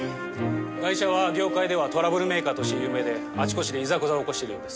ガイシャは業界ではトラブルメーカーとして有名であちこちでいざこざを起こしてるようです。